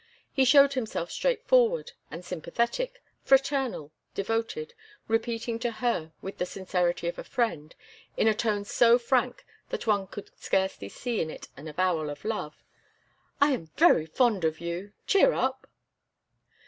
He showed himself straightforward and sympathetic, fraternal, devoted, repeating to her, with the sincerity of a friend, in a tone so frank that one could scarcely see in it an avowal of love: "I am very fond of you; cheer up!"